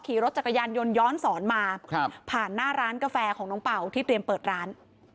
ขี่รถจักรยานยนต์ย้อนสอนมาผ่านหน้าร้านกาแฟของน้องเป่าที่เตรียมเปิดร้าน